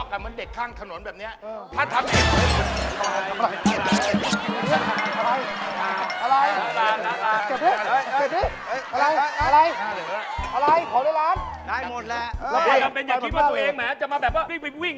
เฮ้ยไม่ต้องเลยไปหาซื้อเอาเอง